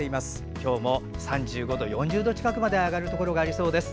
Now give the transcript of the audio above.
今日も３５度４０度近くまで上がるところがありそうです。